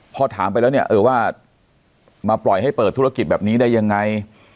พอถามไปแล้วเนี่ยเออว่ามาปล่อยให้เปิดธุรกิจแบบนี้ได้ยังไง